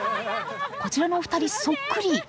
こちらのお二人そっくり！